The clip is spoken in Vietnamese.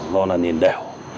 do nhìn đẻo